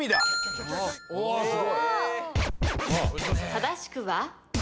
正しくは？